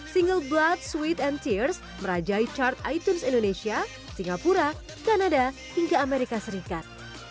single blood sweet and tears merajai chart itins indonesia singapura kanada hingga amerika serikat